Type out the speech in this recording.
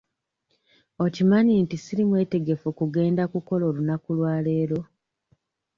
Okimanyi nti siri mwetegefu gugenda kukola olunaku lwa leero?